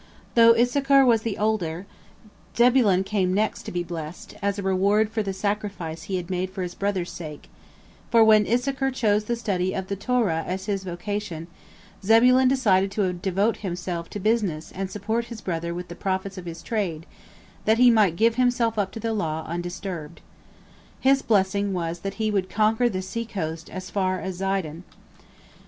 " Though Issachar was the older, Zebulon came next to be blessed, as a reward for the sacrifice he had made for his brother's sake, for when Issachar chose the study of the Torah as his vocation, Zebulon decided to devote himself to business and support his brother with the profits of his trade, that he might give himself up to the law undisturbed. His blessing was that he would conquer the seacoast as far as Zidon.